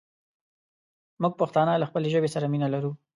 مونږ پښتانه له خپلې ژبې سره مينه لرو